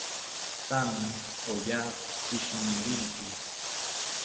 Thame oya pishiniriki